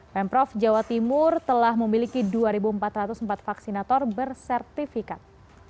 pemprov jawa timur telah memiliki dua empat ratus empat vaksinator bersertifikat